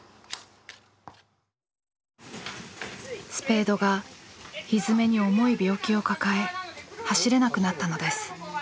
スペードがひづめに重い病気を抱え走れなくなったのです。